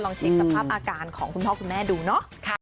เช็คสภาพอาการของคุณพ่อคุณแม่ดูเนาะ